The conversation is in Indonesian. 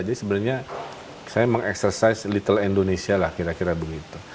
jadi sebenarnya saya mengeksersais little indonesia lah kira kira begitu